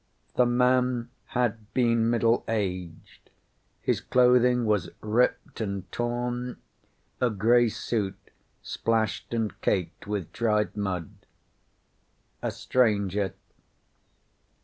The man had been middle aged. His clothing was ripped and torn, a gray suit, splashed and caked with dried mud. A stranger.